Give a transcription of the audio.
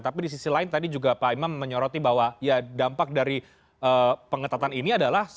tapi di sisi lain tadi juga pak imam menyoroti bahwa ya dampak dari pengetatan ini adalah